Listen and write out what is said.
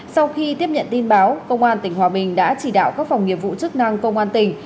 sau khi tiếp nhận tin báo công an tỉnh hòa bình đã chỉ đạo các phòng nghiệp vụ chức năng công an tỉnh